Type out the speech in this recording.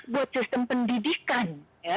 buat sistem pendidikan